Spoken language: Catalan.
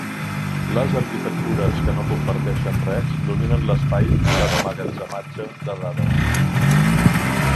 Les arquitectures que no comparteixen res dominen l'espai d'emmagatzematge de dades.